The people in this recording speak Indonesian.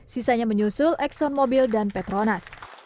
sisanya menyusul exxon mobil dan petronas